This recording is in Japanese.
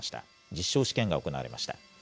実証試験が行われました。